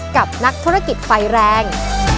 กับนักธุรกิจไฟแรง